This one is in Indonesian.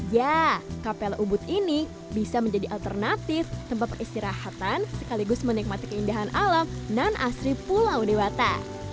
ya kapel ubud ini bisa menjadi alternatif tempat peristirahatan sekaligus menikmati keindahan alam non asri pulau dewata